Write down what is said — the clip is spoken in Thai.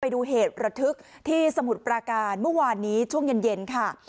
ดูเหตุระทึกที่สมุทรปราการเมื่อวานนี้ช่วงเย็นค่ะ